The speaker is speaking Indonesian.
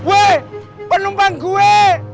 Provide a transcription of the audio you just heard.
weh penumpang gue